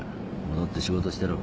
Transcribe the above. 戻って仕事してろ。